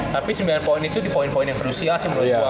tapi sembilan poin itu di poin poin yang krusial sih menurut gue